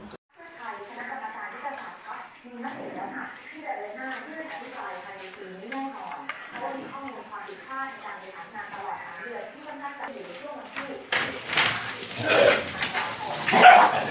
สวัสดีทุกคน